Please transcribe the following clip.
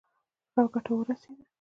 ښه ګټه ورسېده.